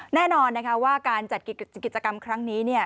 แน่นอนนะคะว่าการจัดกิจกรรมครั้งนี้